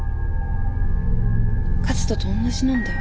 和人とおんなじなんだよ